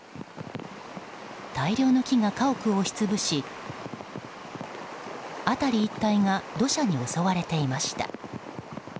大量の木が家屋を押し潰し辺り一帯が土砂に襲われていました。